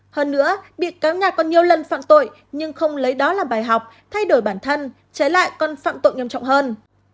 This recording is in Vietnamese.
hơn nữa bị cáo nhà còn nhiều lần phạm tội nhưng không lấy đó làm bài học thay đổi bản thân trái lại còn phạm tội nghiêm trọng hơn